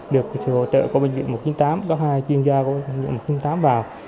được sự hỗ trợ của bệnh viện một trăm chín mươi tám có hai chuyên gia của bệnh viện một trăm linh tám vào